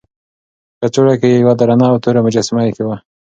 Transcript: په کڅوړه کې یې یوه درنه او توره مجسمه ایښې وه.